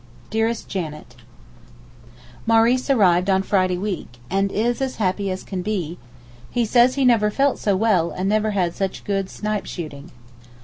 DEAREST JANET, Maurice arrived on Friday week, and is as happy as can be, he says he never felt so well and never had such good snipe shooting.